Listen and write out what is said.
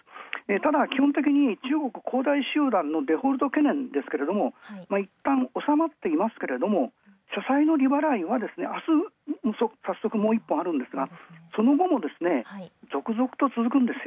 ただ基本的に中国恒大集団のデフォルト懸念ですが、いったんおさまっているが社債の利払いは明日さっそくもう１本あるがその後も、続々と続く。